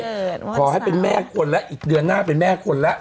ขอให้เป็นแม่คนแล้วอีกเดือนหน้าเป็นแม่คนแล้ว